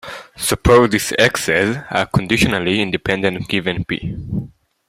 Suppose these "X"s are conditionally independent given "p".